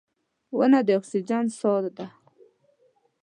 • ونه د اکسیجن ساه ده.